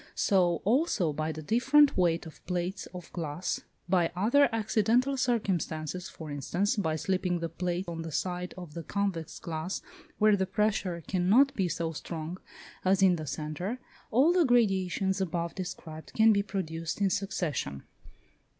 So, also, by the different weight of plates of glass, by other accidental circumstances, for instance, by slipping the plate on the side of the convex glass where the pressure cannot be so strong as in the centre, all the gradations above described can be produced in succession.